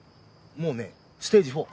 もうねステージ４！